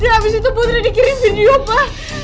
dia abis itu putri dikirim video pak